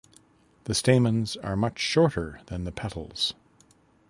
The stamens are much shorter than petals.